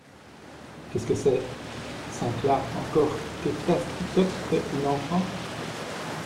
Qu’est-ce que c’est ?… cinq’là encore que t’asticotes l’enfant ?